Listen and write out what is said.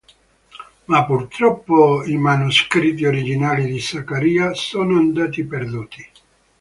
Ma purtroppo i manoscritti originali di Zaccaria sono andati perduti.